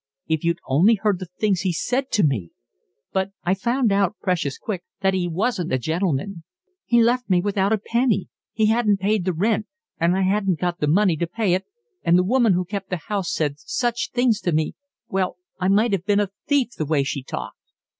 If you'd only heard the things he said to me! But I found out precious quick that he wasn't a gentleman. He left me without a penny. He hadn't paid the rent, and I hadn't got the money to pay it, and the woman who kept the house said such things to me—well, I might have been a thief the way she talked."